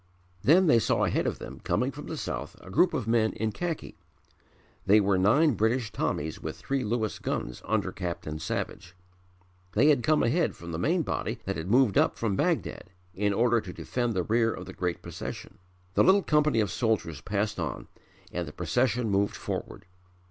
Then they saw ahead of them coming from the south a group of men in khaki. They were nine British Tommies with three Lewis guns under Captain Savage. They had come ahead from the main body that had moved up from Baghdad in order to defend the rear of the great procession. The little company of soldiers passed on and the procession moved forward.